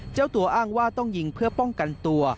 เจ้าตัวอ้างว่าต้องยิงเพื่อป้องกันตัว